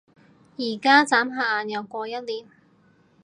而家？眨下眼又過一年